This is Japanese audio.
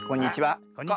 こんにちは。